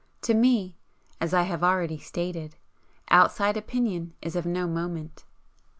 To me, as I have already stated, outside opinion is of no moment.